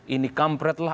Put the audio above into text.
ini kampret lah